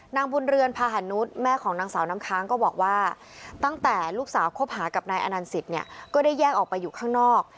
นางบุญเรือนพาหนุษย์แม่ของนางสาวน้ำค้างก็บอกว่าตั้งแต่ลูกสาวคบหากับนายอนันสิตเนี่ยก็ได้แยกออกไปอยู่ข้างนอก